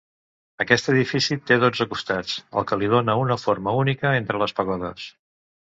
Aquest edifici té dotze costats el que li dóna una forma única entre les pagodes.